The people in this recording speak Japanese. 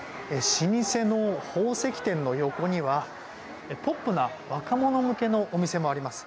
老舗の宝石店の横には、ポップな若者向けのお店もあります。